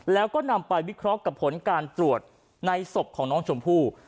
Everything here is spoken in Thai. แล้วก็นำไปวิเคราะห์กับผลการตรวจในศพของน้องชมพู่